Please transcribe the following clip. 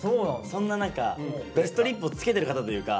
そんな中ベストリップをつけてる方というか。